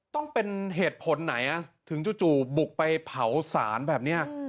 ต้องเป็นเหตุผลไหนถึงจู่บุกไปเผาสารแบบนี้